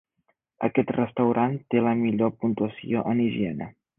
Aquest restaurant té la millor puntuació en higiene.